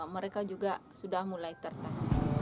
mereka juga sudah mulai tertas